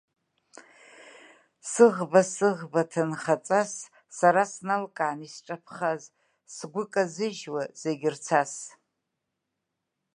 Сыӷба, сыӷба, ҭынхаҵас сара сналкаан исҿаԥхаз, сгәы казыжьуа зегьы рцас…